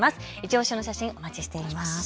いちオシの写真、お待ちしております。